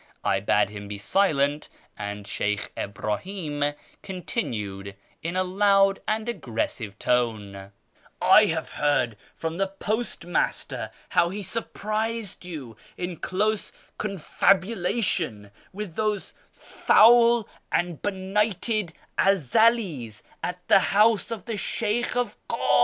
I bade him be silent, and Slieykh Ibrahim continued in a loud and aggressive tone —" I have heard from the postmaster how he surprised you in close confabulation with those foul and benighted Ezelis at the house of the Sheykh of Kum.